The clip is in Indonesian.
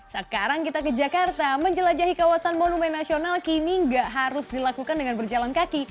sekarang kita ke jakarta menjelajahi kawasan monumen nasional kini nggak harus dilakukan dengan berjalan kaki